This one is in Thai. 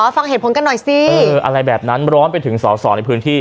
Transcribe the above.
ฟังเหตุผลกันหน่อยสิอะไรแบบนั้นร้อนไปถึงสอสอในพื้นที่